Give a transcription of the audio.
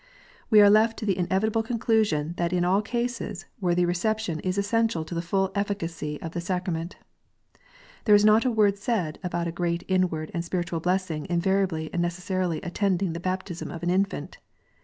We are left to the inevitable conclusion that in all cases worthy reception is essential to the full efficacy of the sacrament. There is not a word said about a great inward and spiritual blessing invariably and necessarily attending the baptism of an infant.